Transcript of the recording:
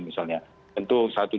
misalnya tentu satu dua tiga